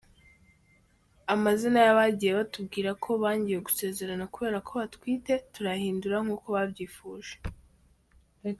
Amazina y’abagiye batubwira ko bangiwe gusezerana kubera ko batwite turayahindura nkuko babyifuje.